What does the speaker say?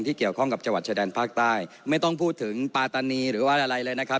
เกี่ยวข้องกับจังหวัดชายแดนภาคใต้ไม่ต้องพูดถึงปาตานีหรือว่าอะไรเลยนะครับ